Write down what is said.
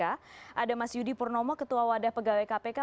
ada mas yudi purnomo ketua wadah pegawai kpk